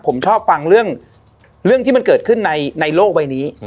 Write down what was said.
ผมชอบฟังเรื่องที่มันเกิดขึ้นในโลกใบนี้